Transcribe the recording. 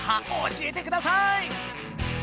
教えてください！